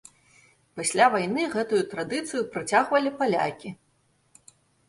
Пасля вайны гэтую традыцыю працягвалі палякі.